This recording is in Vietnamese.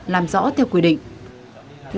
làm rõ theo quy định